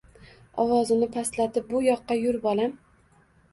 Ovozini pastlatib Bu yoqqa yur, bolam